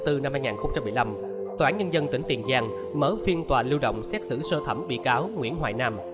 tòa án nhân dân tỉnh tiền giang mở phiên tòa lưu động xét xử sơ thẩm bị cáo nguyễn hoài nam